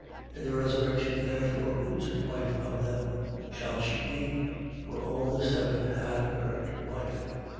20:33. In the resurrection therefore, whose wife of them shall she be? For all the seven had her to wife.